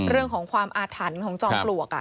เรื่องของความอาถรรพ์ของจอมปลวก